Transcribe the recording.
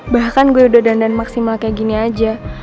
bahkan gue udah dandan maksimal kayak gini aja